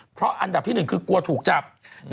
เพราะอันดับที่๑คือกลัวถูกจับ